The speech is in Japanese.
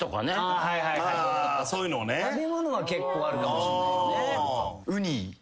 食べ物は結構あるかもしんないよね。